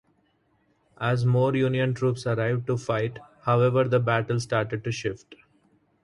As more Union troops arrived to fight however the battle started to shift.